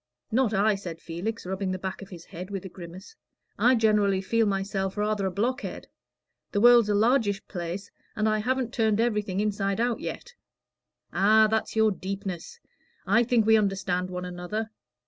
"Not I," said Felix, rubbing the back of his head, with a grimace. "I generally feel myself rather a blockhead. The world's a largish place, and I haven't turned everything inside out yet." "Ah, that's your deepness. I think we understand one another.